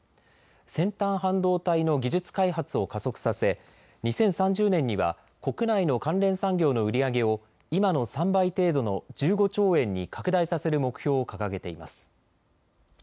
先端半導体の技術開発を加速させ２０３０年には国内の関連産業の売り上げを今の３倍程度の１５兆円に拡大させる目標を掲げています。